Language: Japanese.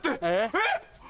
えっ⁉